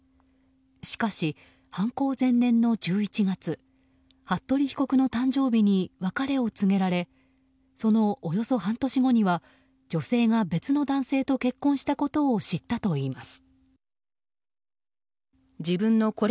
しかし犯行前年の１１月服部被告の誕生日に別れを告げられそのおよそ半年後には女性が別の男性と結婚したことを知ったといいます。